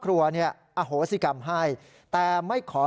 คือจริงแล้วเราก็อยากให้ผ่านไปเลย